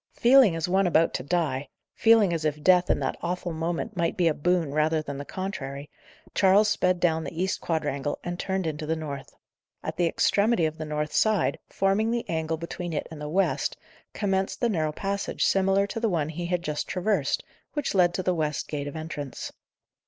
Feeling as one about to die; feeling as if death, in that awful moment, might be a boon, rather than the contrary, Charles sped down the east quadrangle, and turned into the north. At the extremity of the north side, forming the angle between it and the west, commenced the narrow passage similar to the one he had just traversed, which led to the west gate of entrance.